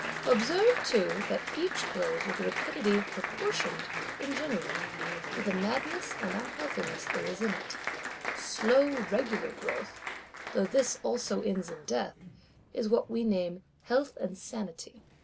Observe too that each grows with a rapidity proportioned, in general, to the madness and unhealthiness there is in it: slow regular growth, though this also ends in death, is what we name health and sanity.